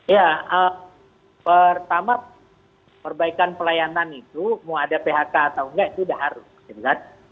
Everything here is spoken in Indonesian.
ya pertama perbaikan pelayanan itu mau ada phk atau enggak itu udah harus